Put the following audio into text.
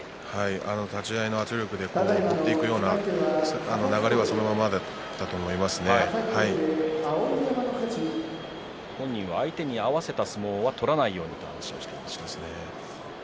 立ち合いの圧力で持っていくような流れが本人は相手に合わせた相撲は取らないようにという話をしていました。